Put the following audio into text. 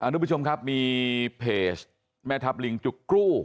ทุกผู้ชมครับมีเพจแม่ทัพลิงจุกกรู